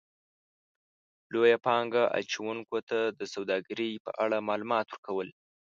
-لویو پانګه اچونکو ته د سوداګرۍ په اړه مالومات ورکو ل